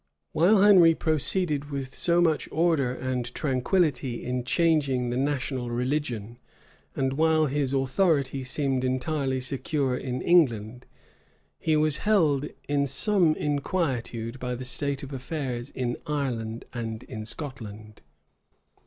While Henry proceeded with so much order and tranquillity in changing the national religion, and while his authority seemed entirely secure in England, he was held in some inquietude by the state of affairs in Ireland and in Scotland.